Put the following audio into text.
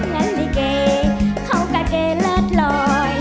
แล้วนี่เก่เขากับเก่เลิศร้อย